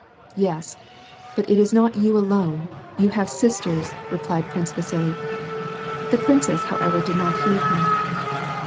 " Yes, but it is not you alone ; you have sisters," replied Prince Vasili. The princess, however, did not heed him.